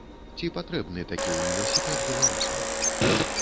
Ці патрэбны такі ўніверсітэт беларусам?